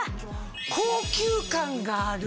高級感がある。